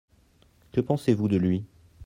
Que pensez-vous de lui ?